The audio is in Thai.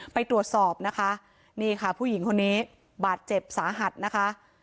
ไปตรวจสอบนะคะนี่ค่ะผู้หญิงคนนี้บาดเจ็บสาหัสนะคะ